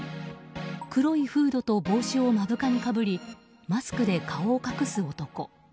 黒いフードと帽子を目深にかぶりマスクで顔を隠す男。